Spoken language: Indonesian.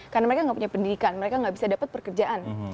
karena mereka nggak punya pendidikan mereka nggak bisa dapat pekerjaan